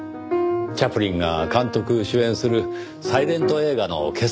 チャップリンが監督・主演するサイレント映画の傑作ですねぇ。